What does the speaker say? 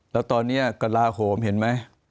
แล้วตอนนี้กระลาโหมเห็นไหม